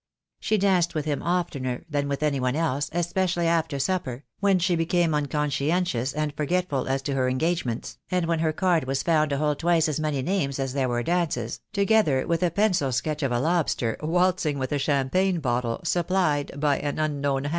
She danced with him oftener than with any one else, especially after supper, when she became unconscientious and forgetful as to her engagements, and when her card was found to hold twice as many names as there were dances, together with a pencil sketch of a lobster waltzing with a cham pagne bottle, supplied by an unknown hand.